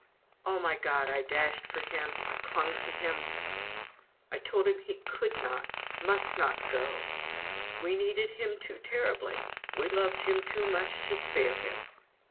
O my God I dashed for him, I clung to him, I told him he could not, must not go we needed him too terribly, we loved him too much to spare him.